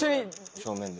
正面で。